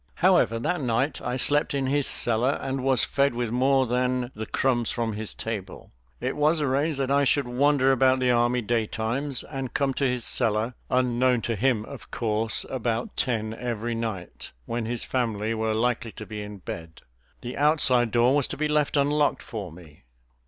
However, that night I slept in his cellar and was fed with more than the crumbs from his table. It was arranged that I should wander about the army day times, and come to his cellar unknown to him, of course about ten every night, when his family were likely to be in bed. The outside door was to be left unlocked for me.